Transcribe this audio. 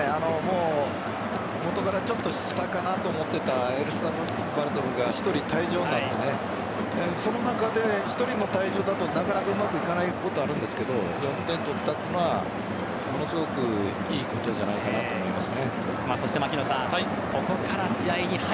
元からちょっと下かなと思っていたエルサルバドルが１人退場になってその中で１人の退場だとなかなかうまくいかないことあるんだけど４点取ったというのはものすごくいいことじゃないかなと思います。